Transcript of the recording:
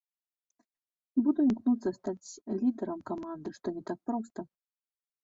Буду імкнуцца стаць лідарам каманды, што не так проста.